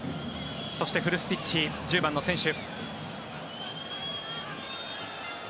そしてフルスティッチ１０番の選手。